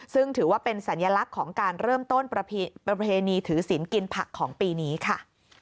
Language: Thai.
ซึ่งถือว่าเป็นสัญลักษณ์ของการเริ่มต้นประเพณีถือศิลป์กินผักของปีนี้ค่ะ